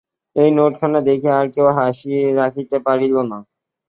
এই নোটখানা দেখিয়া আর কেহ হাসি রাখিতে পারিল না।